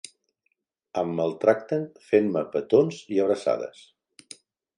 Em maltracten fent-me petons i abraçades.